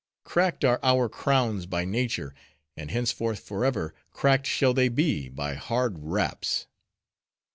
Cracked are, our crowns by nature, and henceforth forever, cracked shall they be by hard raps."